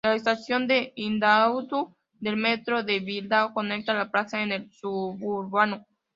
La estación de Indautxu del metro de Bilbao conecta la plaza con el suburbano.